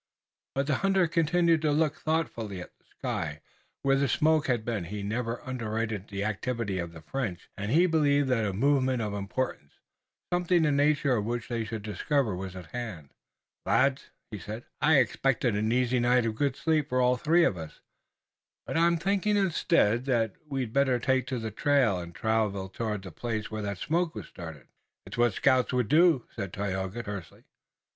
But the hunter continued to look thoughtfully at the sky, where the smoke had been. He never underrated the activity of the French, and he believed that a movement of importance, something the nature of which they should discover was at hand. "Lads," he said, "I expected an easy night of good sleep for all three of us, but I'm thinking instead that we'd better take to the trail, and travel toward the place where that smoke was started." "It's what scouts would do," said Tayoga tersely.